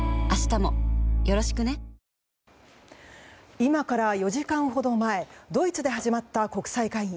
今から４時間ほど前ドイツで始まった国際会議。